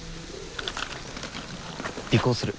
尾行する。